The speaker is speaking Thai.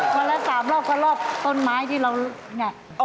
วันละ๓รอบก็รอบต้นไม้ที่เราเนี่ย